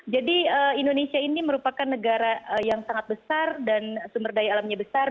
jadi indonesia ini merupakan negara yang sangat besar dan sumber daya alamnya besar